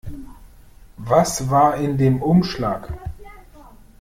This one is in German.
Was war in dem Umschlag?